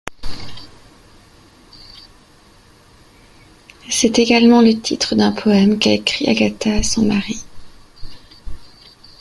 C'est également le titre d'un poème qu'a écrit Agatha à son mari.